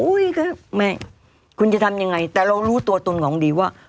ก็ไม่คุณจะทำยังไงแต่เรารู้ตัวตนของดีว่า